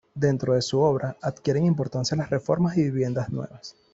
Dentro de su obra adquieren importancia las reformas y viviendas nuevas.